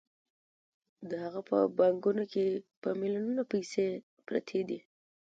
د هغه په بانکونو کې په میلیونونو پیسې پرتې دي